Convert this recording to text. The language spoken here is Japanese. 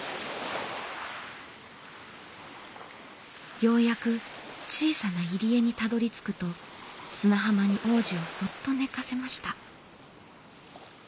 ようやく小さな入り江にたどりつくと砂浜に王子をそっと寝かせました。